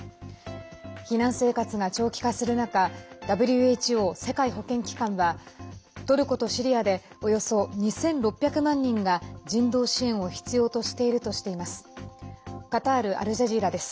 避難生活が長期化する中ＷＨＯ＝世界保健機関はトルコとシリアでおよそ２６００万人が人道支援を必要としているとしています。